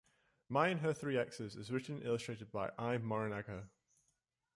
"My and Her Three X's" is written and illustrated by Ai Morinaga.